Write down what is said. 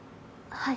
はい。